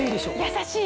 優しい。